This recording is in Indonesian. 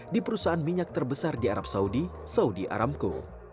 di perusahaan minyak terbesar di arab saudi saudi aramco